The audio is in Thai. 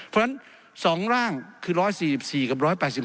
เพราะฉะนั้น๒ร่างคือ๑๔๔กับ๑๘๔